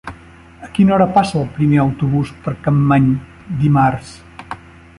A quina hora passa el primer autobús per Capmany dimarts?